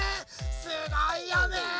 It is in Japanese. すごいよね！